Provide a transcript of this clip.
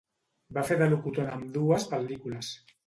Va fer de locutor en ambdues pel·lícules.